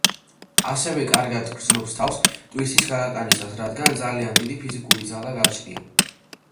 ასევე, კარგად გრძნობს თავს ტვირთის გადატანისას, რადგან ძალიან დიდი ფიზიკური ძალა გააჩნია.